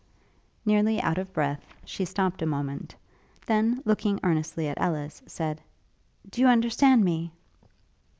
Nearly out of breath, she stopt a moment; then, looking earnestly at Ellis, said, 'Do you understand me?'